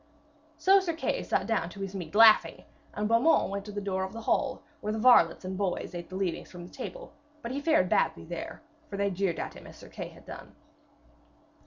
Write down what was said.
So Kay sat down to his meat laughing, and Beaumains went to the door of the hall, where the varlets and boys ate the leavings from the table; but he fared badly there, for they jeered at him as Sir Kay had done.